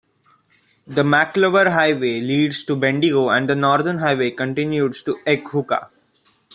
The McIvor Highway leads to Bendigo and the Northern Highway continues to Echuca.